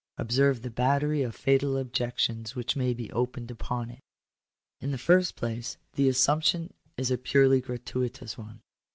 Observe the battery of fatal objections which may be opened upon it. In the first place, the assumption is a purely gratuitous one.